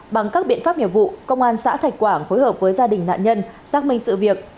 bằng các biện pháp nghiệp vụ công an xã thạch quảng phối hợp với gia đình nạn nhân xác minh sự việc